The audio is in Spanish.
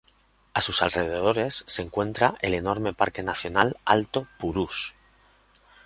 A sus alrededores se encuentra el enorme Parque Nacional Alto Purús.